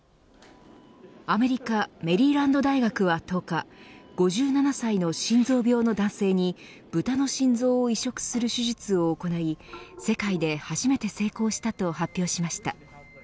アメリカメリーランド大学は１０日５７歳の心臓病の男性にブタの心臓を移植する手術を行い世界で初めて成功したと発表しました。